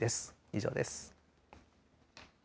以上です。